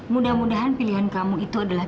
mudah mudahan pilihan kamu itu adalah